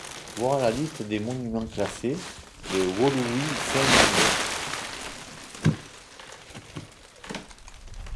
Voir la liste des monuments classés de Woluwe-Saint-Lambert.